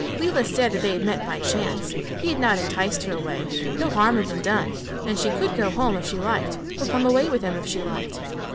Lela said that they had met by chance; he had not enticed her away, no harm had been done and she could go home if she liked or come away with him if she liked.